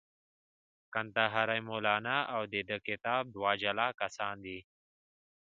کندهاری مولانا او د دې کتاب دوه جلا کسان دي.